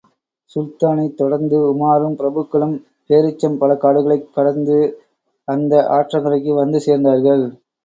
சுல்தானைத் தொடர்ந்து உமாரும் பிரபுக்களும் பேரீச்சம் பழக்காடுகளைக் கடந்து அந்த ஆற்றங்கரைக்கு வந்து சேர்ந்தார்கள்.